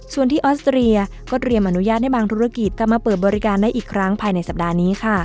ส่วนที่ออสเตรียก็เตรียมอนุญาตให้บางธุรกิจกลับมาเปิดบริการได้อีกครั้งภายในสัปดาห์นี้ค่ะ